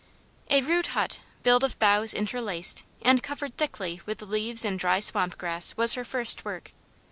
A rude hut, built of boughs interlaced, and covered thickly with leaves and dry swamp grass, was her first work.